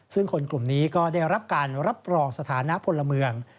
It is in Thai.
ซึ่งคนกลุ่มนี้ก็ได้รับการรับรองสถานะพลเมือง